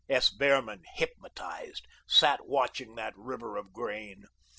S. Behrman, hypnotised, sat watching that river of grain.